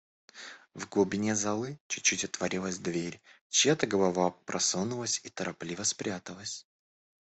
В глубине залы чуть-чуть отворилась дверь; чья-то голова просунулась и торопливо спряталась.